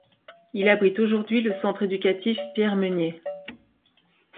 Il abrite aujourd'hui le centre éducatif Pierre-Meunier.